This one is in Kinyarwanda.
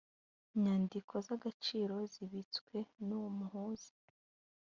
nyandiko z agaciro zibitswe n uwo muhuza